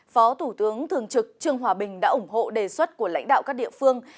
phó thủ tướng thường trực trương hòa bình đã ủng hộ đề xuất của lãnh đạo các địa phương